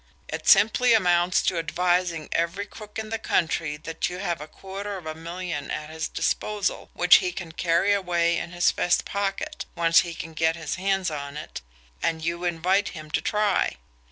It simply amounts to advising every crook in the country that you have a quarter of a million at his disposal, which he can carry away in his vest pocket, once he can get his hands on it and you invite him to try."